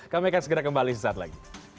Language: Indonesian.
kami akan segera kembali sesaat lagi